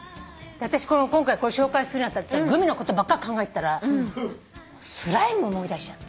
私今回紹介するにあたってグミのことばっかり考えてたらスライム思い出しちゃって。